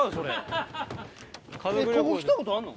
えっここ来たことあんの？